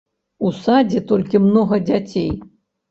У садзе толькі многа дзяцей.